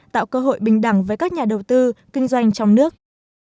tạo cơ hội bình đẳng với các nhà đầu tư kinh doanh trong nước